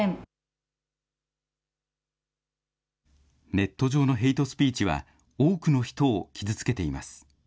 ネット上のヘイトスピーチは、多くの人を傷つけています。